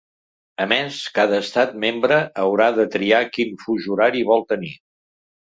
A més, cada estat membre haurà de triar quin fus horari vol tenir.